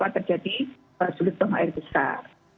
terjadi sulit buang air besar